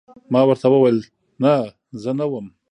ما ورته وویل: نه، زه نه وم.